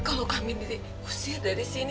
kalau kami diusir dari sini